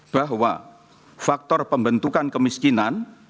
bahwa faktor pembentukan kemiskinan